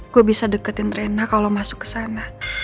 gue bisa deketin rena kalo masuk kesana